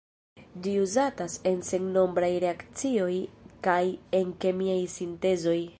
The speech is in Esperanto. Ĝi uzatas en sennombraj reakcioj kaj en kemiaj sintezoj.